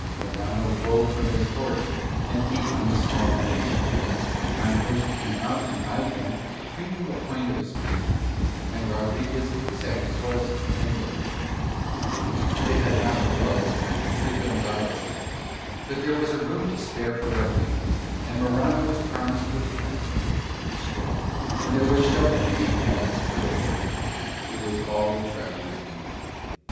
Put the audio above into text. Morano rolled from his horse and beat on the small green door. Mine host came out and eyed them, preening the point of his beard; and Rodriguez sat his horse and looked at him. They had not the welcome here that Gonzalez gave them; but there was a room to spare for Rodriguez, and Morano was promised what he asked for, straw; and there was shelter to be had for the horses. It was all the travellers needed.